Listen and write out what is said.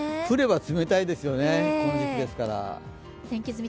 降れば冷たいですよね、この時期ですから。